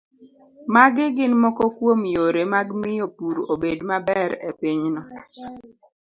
Magi gin moko kuom yore mag miyo pur obed maber e pinyno